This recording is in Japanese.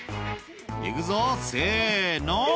「行くぞせの」